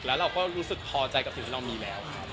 แล้วเราก็รู้สึกพอใจกับสิ่งที่เรามีแล้วครับ